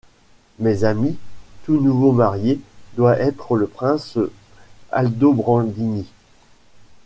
Mes amis, tout nouveau marié doit être le prince Aldobrandini.